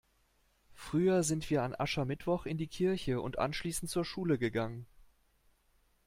Früher sind wir an Aschermittwoch in die Kirche und anschließend zur Schule gegangen.